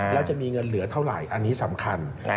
แล้วจะมีเงินเหลือเท่าไหร่อันนี้สำคัญ